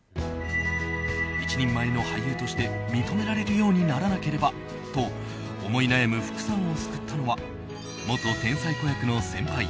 一人前の俳優として認められるようにならなければと思い悩む福さんを救ったのは元天才子役の先輩